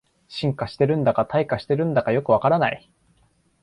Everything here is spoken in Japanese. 進化してるんだか退化してるんだかよくわからない